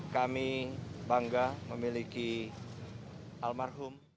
kami bangga memiliki almarhum